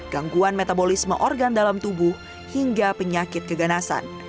gangguan metabolisme organ dalam tubuh hingga penyakit keganasan